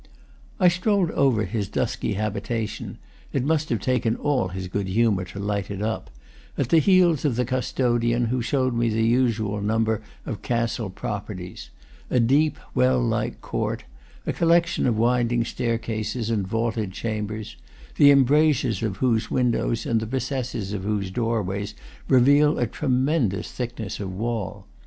I strolled over his dusky habitation it must have taken all his good humor to light it up at the heels of the custodian, who showed me the usual number of castle properties: a deep, well like court; a collection of winding staircases and vaulted chambers, the embra sures of whose windows and the recesses of whose doorways reveal a tremendous thickness of wall.